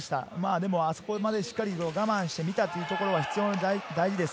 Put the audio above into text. でも、あそこまでしっかり我慢して見たというところは大事です。